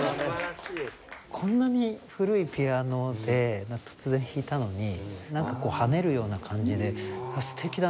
こんなに古いピアノで突然弾いたのになんかこう跳ねるような感じで素敵だなって。